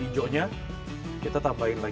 hijaunya ya kalau kita buat ini kita tambahin air kelapa